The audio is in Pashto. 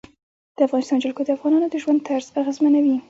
د افغانستان جلکو د افغانانو د ژوند طرز اغېزمنوي.